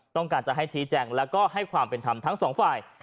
ต้องการจะให้ชี้แจงแล้วก็ให้ความเป็นธรรมทั้งสองฝ่าย